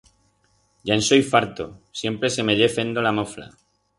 Ya en soi farto, siempre se me ye fendo la mofla.